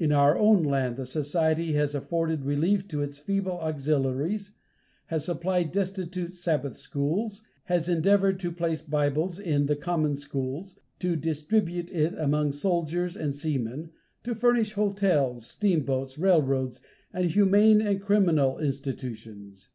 In our own land the society has afforded relief to its feeble auxiliaries, has supplied destitute Sabbath schools, has endeavored to place the Bible in the common schools, to distribute it among soldiers and seamen, to furnish hotels, steamboats, railroads, and humane and criminal institutions.